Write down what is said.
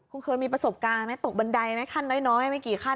คุณเคยมีประสบการณ์ไหมตกบันไดไหมขั้นน้อยไม่กี่ขั้น